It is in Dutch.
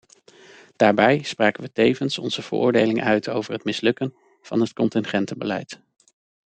Daarbij spraken we tevens onze veroordeling uit over het mislukken van het contingentenbeleid.